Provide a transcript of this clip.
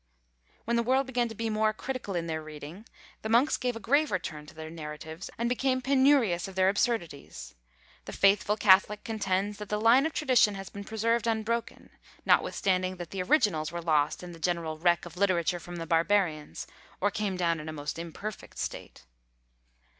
When the world began to be more critical in their reading, the monks gave a graver turn to their narratives; and became penurious of their absurdities. The faithful Catholic contends, that the line of tradition has been preserved unbroken; notwithstanding that the originals were lost in the general wreck of literature from the barbarians, or came down in a most imperfect state.